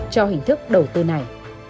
cho hình thức đầu tư này